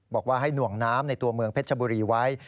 บอกว่าให้หน่วงน้ำในตัวเมืองเพชรบุรีไว้